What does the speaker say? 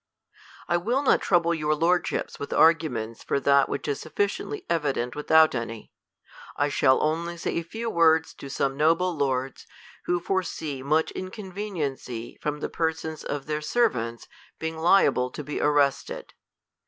. I will not trouble your lordships with arguments for diat which is sufficiently evident without any. I shall only say a few words to some noble lords, who fore see much inconveniency from the persons of their ser vants being liable to be arrested.